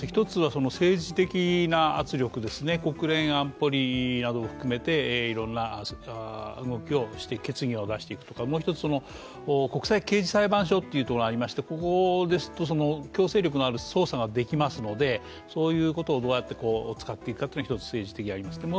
１つは政治的な圧力ですね国連安保理などを含めて、いろいろな動きをして、決議を出していくとか、もう１つ、国際刑事裁判所がありまして、ここですと強制力のある捜査ができますのでそういうことをどうやって使っていくのが１つです。